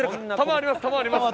球あります